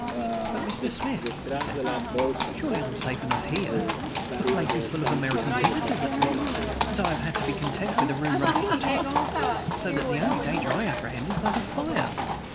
"But, Mr. Smith," he said, "surely I am safe enough here! The place is full of American visitors at present, and I have had to be content with a room right at the top; so that the only danger I apprehend is that of fire."